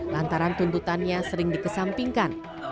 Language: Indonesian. lantaran tuntutannya sering dikesampingkan